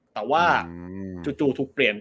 แต่ว่าจุดจุดถูกเปลี่ยน